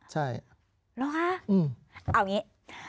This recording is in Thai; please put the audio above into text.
เอาอย่างงี้